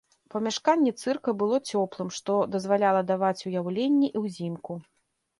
Памяшканне цырка было цёплым, што дазваляла даваць уяўленні і ўзімку.